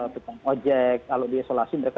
tukang ojek kalau diisolasi mereka